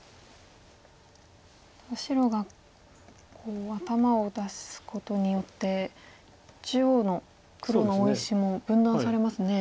ただ白が頭を出すことによって中央の黒の大石も分断されますね。